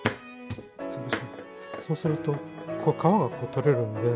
そうすると皮が取れるんで。